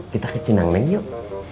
kita ke cinang neng yuk